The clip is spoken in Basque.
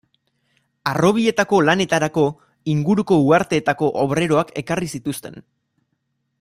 Harrobietako lanetarako inguruko uharteetako obreroak ekarri zituzten.